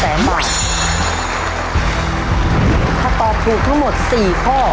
ถ้าตอบถูกทั้งหมด๔ข้อ